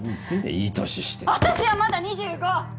いい年して私はまだ２５！